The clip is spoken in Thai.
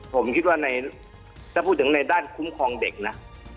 ผมคิดว่าถ้าพูดถึงในด้านคุ้มครองเด็กนะ